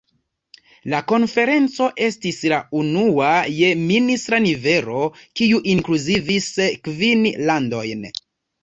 La konferenco estis la unua je ministra nivelo, kiu inkluzivis kvin landojn.